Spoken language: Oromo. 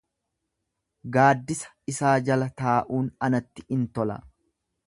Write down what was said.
gaaddisa isaa jala taa'uun anatti in tola,